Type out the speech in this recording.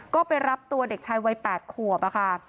ก็ไปรับตัวเด็กชายวัย๘ขวบค่ะ